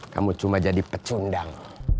kamu cuma jadi pecundang